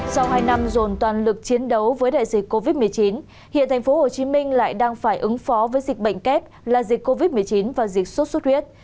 sau hai năm dồn toàn lực chiến đấu với đại dịch covid một mươi chín hiện tp hcm lại đang phải ứng phó với dịch bệnh kép là dịch covid một mươi chín và dịch sốt xuất huyết